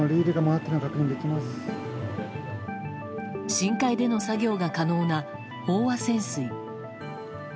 深海での作業が可能な飽和潜水。